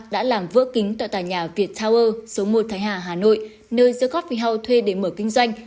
đã làm vỡ kính tọa tài nhà viettower số một thái hà hà nội nơi the coffee house thuê để mở kinh doanh